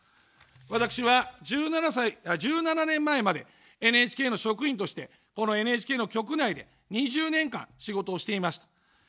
私は１７年前までＮＨＫの職員として、このＮＨＫの局内で２０年間仕事をしていました。